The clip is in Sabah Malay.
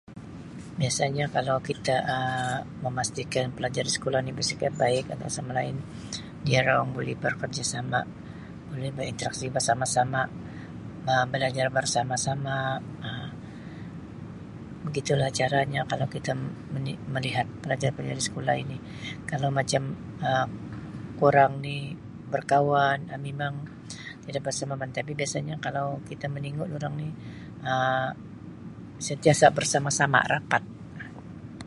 Biasanya kalau kita Um memastikan pelajar di sekolah ni bersikap baik antara satu sama lain diorang buli bekerjasama mulai berinteraksi bersama-sama Um belajar bersama-sama Um begitu lah caranya kalau kita me-meli-melihat pelajar-pelajar di sekolah ini kalau macam Um kurang ni berkawan Um mimang tidak bersefahaman tapi biasanya kalau kita meningu dorang ni Um sentiasa bersama-sama rapat.